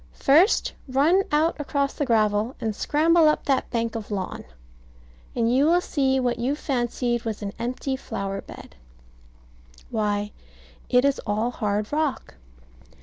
First run out across the gravel, and scramble up that bank of lawn, and you will see what you fancied was an empty flower bed. Why, it is all hard rock.